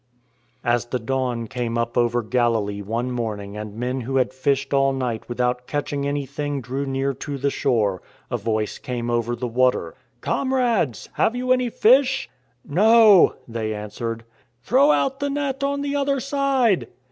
As the dawn came up over Galilee one morning and men who had fished all night without catching any thing drew near to the shore, a Voice came over the water :" Comrades, have you any fish ?"" No," they answered. " Throw out the net on the other side."